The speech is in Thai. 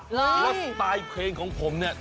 แล้วสไตล์เพลงของผมเนี่ย